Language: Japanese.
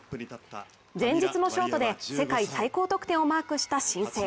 前日のショートで世界最高得点をマークした新星。